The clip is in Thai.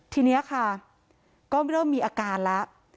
ทีนี้ค่ะก็เริ่มมีอาการแล้ว